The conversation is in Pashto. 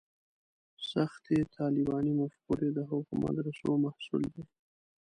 سختې طالباني مفکورې د هغو مدرسو محصول دي.